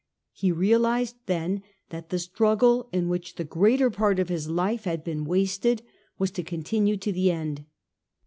He realised then that the struggle in which the greater part of his life had been wasted was to continue to the end.